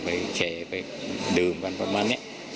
ไปแชร์ไปดื่มกันประมาณนี้